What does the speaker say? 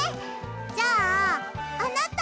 じゃああなた！